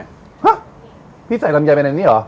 ฮะพี่ใส่ลำไยไปในนี้เหรอ